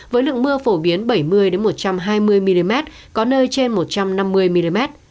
với lượng mưa phổ biến bảy mươi một trăm hai mươi mm có nơi trên một trăm năm mươi mm